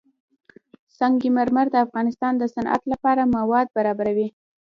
سنگ مرمر د افغانستان د صنعت لپاره مواد برابروي.